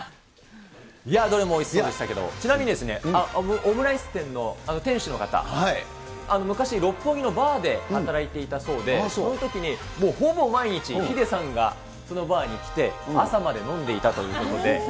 いやー、どれもおいしそうでしたけど、ちなみに、オムライス店のあの店主の方、昔、六本木のバーで働いていたそうで、そのときに、もうほぼ毎日、ヒデさんがそのバーに来て、朝まで飲んでいたということで。